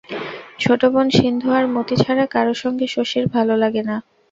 ছোট বোন সিন্ধু আর মতি ছাড়া কারো সঙ্গে শশীর ভালো লাগে না।